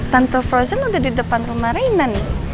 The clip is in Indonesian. tante frozen udah di depan rumah reina nih